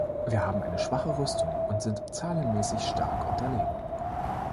Wir haben eine schwache Rüstung und sind zahlenmäßig stark unterlegen.